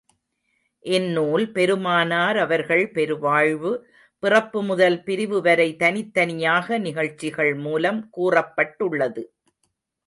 இந்நூல்... பெருமானார் அவர்கள் பெரு வாழ்வு, பிறப்பு முதல் பிரிவு வரை, தனித்தனியாக நிகழ்ச்சிகள் மூலம் கூறப்பட்டுள்ளது.